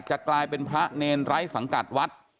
จะกลายเป็นพระเนรไร้สังกัดวัด